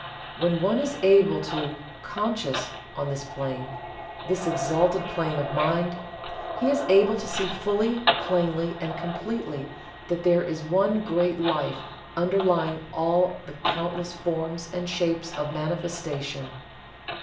When one is able to "conscious" on this plane this exalted plane of mind he is able to see fully, plainly and completely that there is One Great Life underlying all the countless forms and shapes of manifestation.